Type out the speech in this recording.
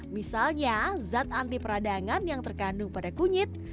misalnya zat antiperadangan yang terkandung pada kunyit